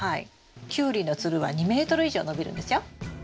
キュウリのつるは２ｍ以上伸びるんですよ。